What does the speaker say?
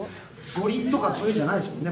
５厘とかそういうんじゃないですもんね。